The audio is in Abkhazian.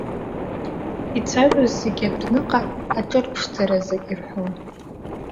Ицәажәаз зегьы адәныҟа аҿырԥшӡараз ирҳәон.